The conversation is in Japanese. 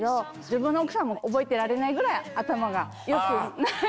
自分の奥さんも覚えてないぐらい頭がよくない。